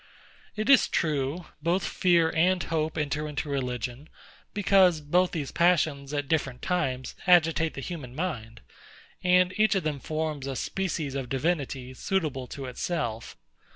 It is true, both fear and hope enter into religion; because both these passions, at different times, agitate the human mind, and each of them forms a species of divinity suitable to itself.